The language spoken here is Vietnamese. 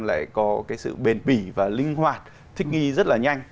lại có cái sự bền bỉ và linh hoạt thích nghi rất là nhanh